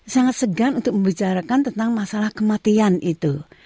sangat segan untuk membicarakan tentang masalah kematian itu